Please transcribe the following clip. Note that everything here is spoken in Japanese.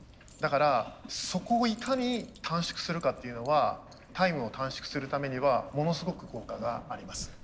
だからそこをいかに短縮するかっていうのはタイムを短縮するためにはものすごく効果があります。